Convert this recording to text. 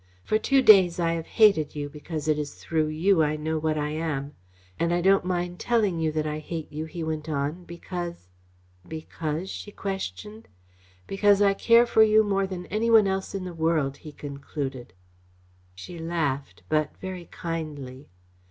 For two days I have hated you because it is through you I know what I am. And I don't mind telling you that I hate you," he went on, "because " "Because?" she questioned. "Because I care for you more than any one else in the world," he concluded. She laughed, but very kindly.